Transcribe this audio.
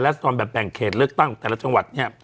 ราศนอนแบบแบ่งเขตเลือกตั้งของแต่ละจังหวัด